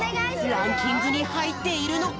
ランキングにはいっているのか？